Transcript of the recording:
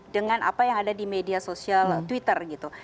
dengan apa yang ada di media sosial twitter gitu